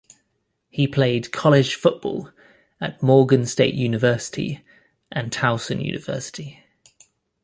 He played college football at Morgan State University and Towson University.